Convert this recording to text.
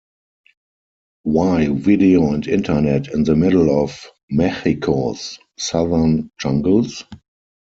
Why video and internet in the middle of Mexico's southern jungles?